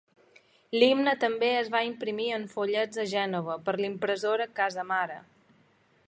L'himne també es va imprimir en follets a Gènova, per l'impressora Casamara.